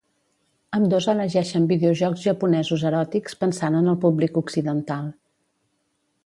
Ambdós elegeixen videojocs japonesos eròtics pensant en el públic occidental.